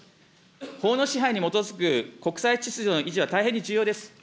法の支配に基づく国際秩序の維持は大変に重要です。